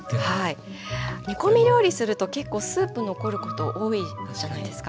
煮込み料理すると結構スープ残ること多いじゃないですか。